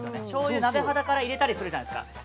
しょうゆ、鍋肌から入れたりするじゃないですか。